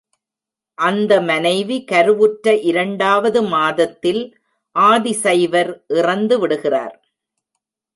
அந்த மனைவி கருவுற்ற இரண்டாவது மாதத்தில் ஆதி சைவர் இறந்து விடுகிறார்.